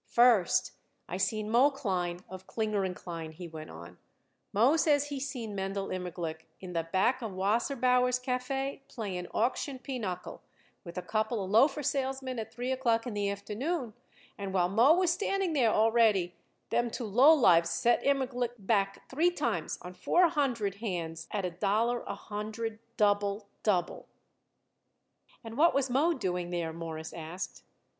"First, I seen Moe Klein, of Klinger & Klein," he went on. "Moe says he seen Mendel Immerglick, in the back of Wasserbauer's Café, playing auction pinochle with a couple of loafer salesmen at three o'clock in the afternoon, and while Moe was standing there already them two low lives set Immerglick back three times on four hundred hands at a dollar a hundred, double double." "And what was Moe doing there?" Morris asked.